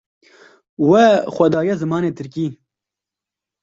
We xwe daye zimanê Tirkî